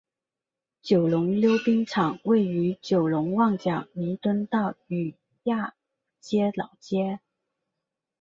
九龙溜冰场位于九龙旺角弥敦道与亚皆老街。